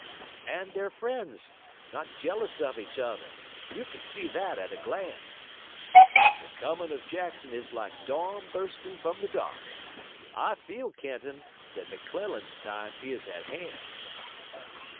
"And they're friends, not jealous of each other. You could see that at a glance." "The coming of Jackson is like dawn bursting from the dark. I feel, Kenton, that McClellan's time is at hand."